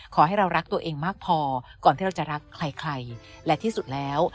ขอให้เรารักตัวเองมากพอก่อนที่เราจะรักใครและที่สุดแล้ว